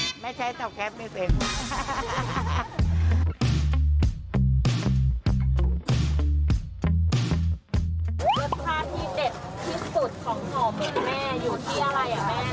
เลือกค่าที่เด็ดที่สุดของข่อพี่และแม่อยู่ที่อะไร